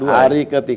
hari ke tiga